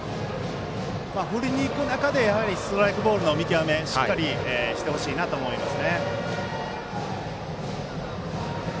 振りに行く中でストライク、ボールの見極めしっかりしてほしいなと思います。